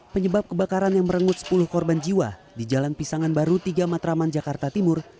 penyebab kebakaran yang merenggut sepuluh korban jiwa di jalan pisangan baru tiga matraman jakarta timur